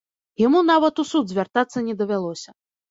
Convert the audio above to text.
Яму нават у суд звяртацца не давялося.